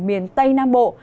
miền tây nam bộ